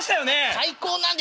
最高なんで。